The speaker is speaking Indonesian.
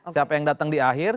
siapa yang datang di akhir